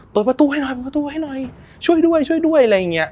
เปิดประตูให้หน่อยเปิดประตูให้หน่อยช่วยด้วยช่วยด้วยอะไรอย่างเงี้